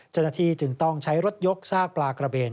เจ้าหน้าที่จึงต้องใช้รถยกซากปลากระเบน